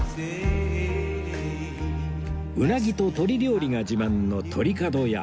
うなぎと鳥料理が自慢の